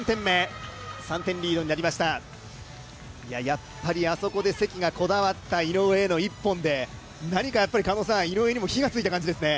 やっぱりあそこで関がこだわった井上への一本で何か、井上にも火がついた感じですね。